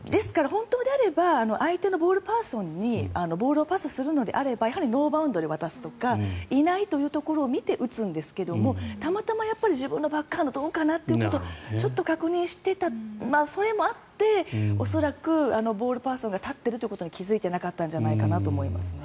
本当であれば相手のボールパーソンにボールをパスするのであればノーバウンドで渡すとかいないところを見て打つんですがたまたま自分のバックハンドどうかなとちょっと確認していたそれもあって恐らくボールパーソンが立っていることに気付いていなかったんじゃないかなと思います。